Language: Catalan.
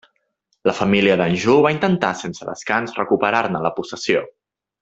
La família d'Anjou va intentar sense descans recuperar-ne la possessió.